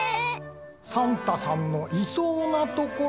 サンタさんのいそうなところ。